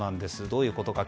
どういうことか？